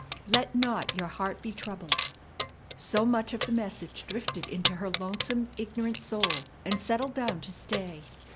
"Let not your heart be troubled"; so much of the message drifted into her lonesome, ignorant soul, and settled down to stay.